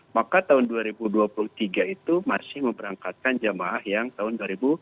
maka tahun dua ribu dua puluh tiga itu masih memberangkatkan jamaah yang tahun dua ribu dua puluh